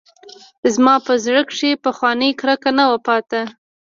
خو زما په زړه کښې پخوانۍ کرکه نه وه پاته.